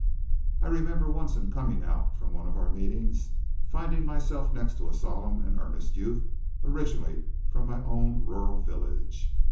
_ I remember once, in coming out from one of our meetings, finding myself next a solemn and earnest youth originally from my own rural village.